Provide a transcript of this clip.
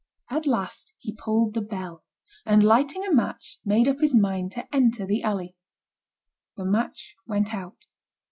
At last he pulled the bell, and lighting a match, made up his mind to enter the alley. The match went out.